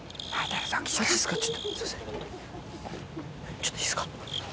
ちょっといいですか？